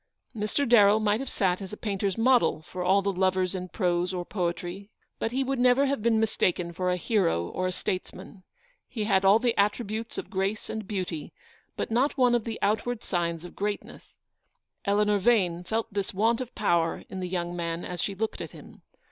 Mr. Darrell might have sat as a painter's model for all the lovers in prose or poetry; but he would never have been mistaken for a hero or a states man. He had all the attributes of grace and beauty, but not one of the outward signs of great ness. Eleanor Yane felt this want of power in the young man as she looked at him.